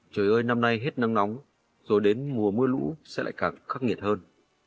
trời ơi năm nay hết nắng nóng rồi đến mùa mưa lũ sẽ lại càng khắc nghiệt hơn